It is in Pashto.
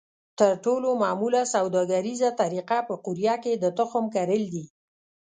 تر ټولو معموله سوداګریزه طریقه په قوریه کې د تخم کرل دي.